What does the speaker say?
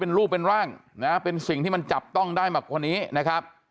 เป็นรูปเป็นร่างนะเป็นสิ่งที่มันจับต้องได้มากกว่านี้นะครับ